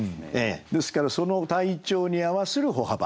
ですからその「体調に合はする歩巾」。